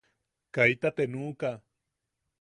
Kaita te nuʼuka.